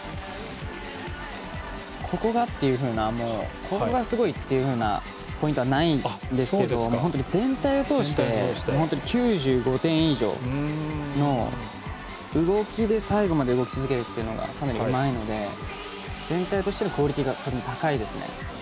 ここがっていうふうなここがすごいっていうようなポイントはないんですけども全体を通して９５点以上の動きで最後まで動き続けるというのがかなり、うまいので全体としてのクオリティーがかなり高いですね。